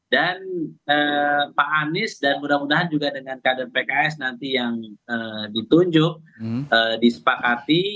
dan pak anies dan mudah mudahan juga dengan kader pks nanti yang ditunjuk disepakati